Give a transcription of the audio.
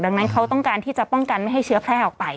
ดังนั้นเขาต้องการที่จะป้องกันไม่ให้เชื้อแพร่ออกไป